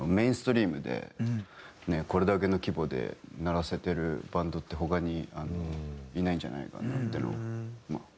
これだけの規模で鳴らせてるバンドって他にいないんじゃないかなっていう。